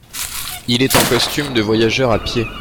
Il est en costume de voyageur à pied.